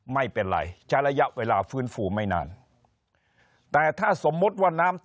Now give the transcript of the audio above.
ไม่เป็นไรใช้ระยะเวลาฟื้นฟูไม่นานแต่ถ้าสมมุติว่าน้ำ